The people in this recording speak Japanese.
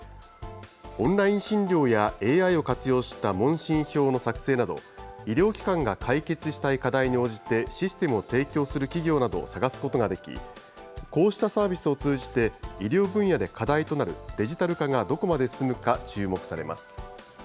オンライン診療やＡＩを活用した問診票の作成など、医療機関が解決したい課題に応じてシステムを提供する企業などを探すことができ、こうしたサービスを通じて、医療分野で課題となるデジタル化がどこまで進むか注目されます。